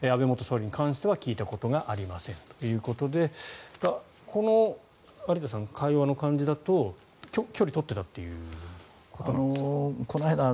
安倍元総理に関しては聞いたことがありませんということでこの有田さん、会話の感じだと距離を取っていたということなんですか。